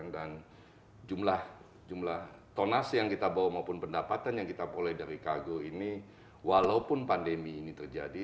dan jumlah tonasi yang kita bawa maupun pendapatan yang kita boleh dari kargo ini walaupun pandemi ini terjadi